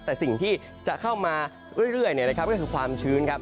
แต่สิ่งที่จะเข้ามาเรื่อยเนี่ยนะครับก็คือความชื้นครับ